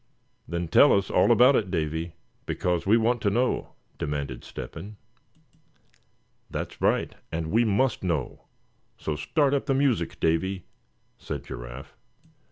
"Then tell us all about it, Davy; because we want to know," demanded Step hen. "That's right, and we must know; so start up the music, Davy," said Giraffe.